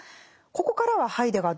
ここからはハイデガー